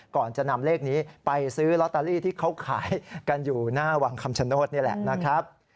ก่อนจะนำเลขนี้ไปซื้อลอตเตอรี่ที่เขาขายกันอยู่หน้าวังคำชโนธนี่แหละนะครับ